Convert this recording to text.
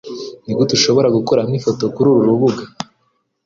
Nigute ushobora gukuramo ifoto kururu rubuga?